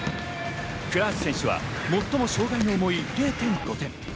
倉橋選手は最も障害の重い０．５点。